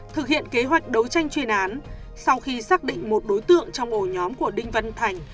thực hiện kế hoạch đấu tranh chuyên án sau khi xác định một đối tượng trong ổ nhóm của đinh văn thành